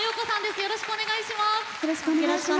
よろしくお願いします。